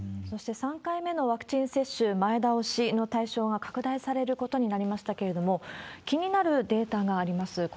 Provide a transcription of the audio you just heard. そして、３回目のワクチン接種、前倒しの対象が拡大されることになりましたけれども、気になるデータがあります。